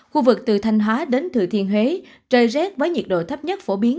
khu vực từ thanh hóa đến thừa thiên huế trời rét với nhiệt độ thấp nhất phổ biến